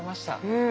うん。